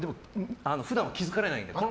普段は気付かれないので。